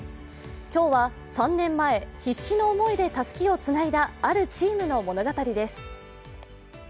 今日は、３年前、必死の思いでたすきをつないだあるチームの物語です。